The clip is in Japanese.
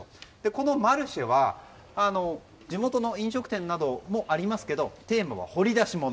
このマルシェは地元の飲食店などもありますけどテーマは掘り出し物。